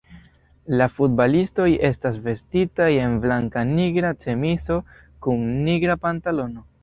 La futbalistoj estas vestitaj en blanka-nigra ĉemizo kun nigra pantalono.